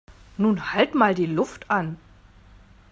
Nun halt mal die Luft an!